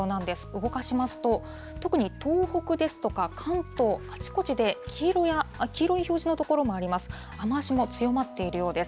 動かしますと、特に東北ですとか関東、あちこちで黄色い表示の所もあります。